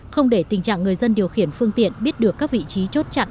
không để tình trạng người dân điều khiển phương tiện biết được các vị trí chốt chặn